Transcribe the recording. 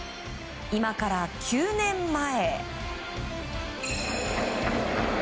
今から９年前。